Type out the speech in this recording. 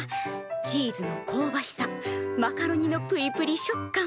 チーズのこうばしさマカロニのぷりぷり食感。